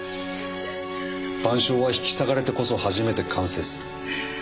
『晩鐘』は引き裂かれてこそ初めて完成する。